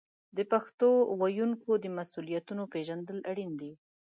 د پښتو ویونکو د مسوولیتونو پیژندل اړین دي.